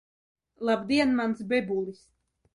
Labdien mans bebulis